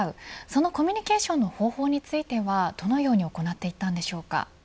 そのコミュニケーションの方法についてはどのように行っていったんでしょうか。